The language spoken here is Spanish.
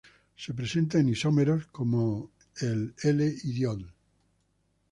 Se presenta en isómeros como el L-iditol.